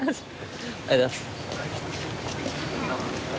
ありがとうございます。